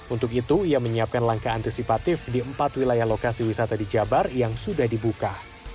untuk itu ia menyiapkan langkah antisipatif di empat wilayah lokasi wisata di jabar yang sudah dibuka